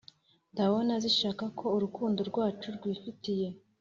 ndabona zishaka ko urukundo rwacu twifitiye